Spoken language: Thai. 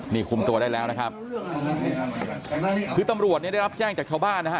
นี่คุมตัวได้แล้วนะครับคือตำรวจเนี่ยได้รับแจ้งจากชาวบ้านนะฮะ